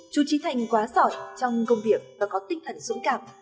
chú trí thành quá giỏi trong công việc và có tinh thần dũng cảm